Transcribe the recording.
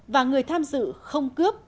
và người tham dự không cướp